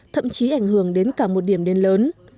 thậm chí ảnh hưởng đến cả một điểm đến lớn